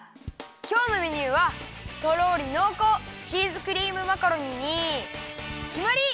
きょうのメニューはとろりのうこうチーズクリームマカロニにきまり！